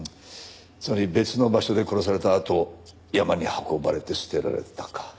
つまり別の場所で殺されたあと山に運ばれて捨てられたか。